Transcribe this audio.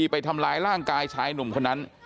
ทกให้ตรายทำลายร่างกายชายหนุ่มคนนั้น